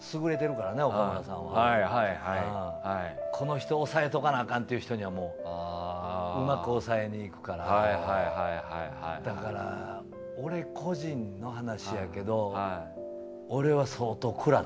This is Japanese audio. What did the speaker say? この人押さえとかなアカンっていう人にはもううまく押さえにいくからだから俺個人の話やけど。